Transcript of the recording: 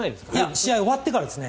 試合が終わったあとですね。